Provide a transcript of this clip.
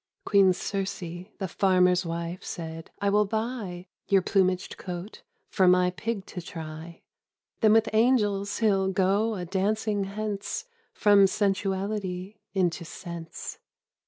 Queen Circe, the farmer's wife, said, " I will buy Your plumaged coat for my pig to try — Then with angels he'll go a dancing hence, From sensuality into sense